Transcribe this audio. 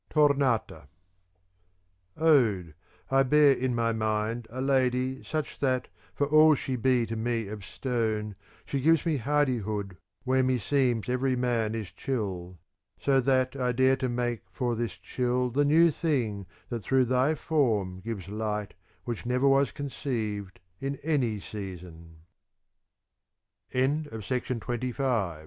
Tornata Ode, I bear in my mind a lady such that, for all she be to me of stone, she gives me hardihood where me seems every man is chill ; so that I dare to make for this chill * the new thing that through thy form gives light which never was conceived in any season.